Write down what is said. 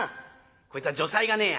こいつは如才がねえや。